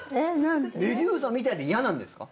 メデューサみたいで嫌なんですか？